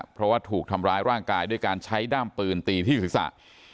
เพราะว่าถูกทำร้ายร่างกายด้วยการใช้ด้ามปืนตีที่ศีรษะ